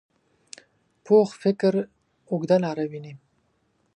پوخ فکر اوږده لاره ویني